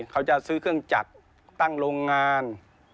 เขาจะซื้อเครื่องจักรตั้งโรงงาน